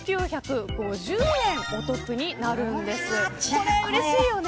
これうれしいよね。